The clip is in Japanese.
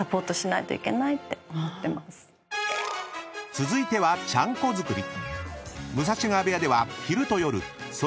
［続いてはちゃんこ作り］